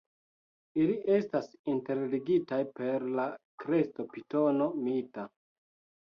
Ili estas interligitaj per la kresto Pitono Mita.